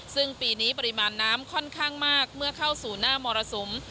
ซึ่งปีนี้ปริมาณน้ำค่อนข้างมากเมื่อเข้าสู่หน้ามรสุม